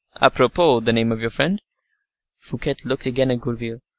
A propos, the name of your friend?" Fouquet looked again at Gourville.